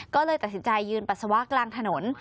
ก็เลยตัดสินใจยืนปัสสาวะกลางถนน